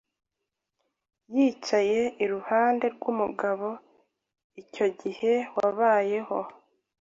Yicaye iruhande rwumugabo icyo gihe wabayeho